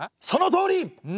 そのとおり！